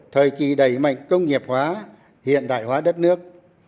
thời kỳ đẩy mạnh công nghiệp hóa hiện đại hóa đất nước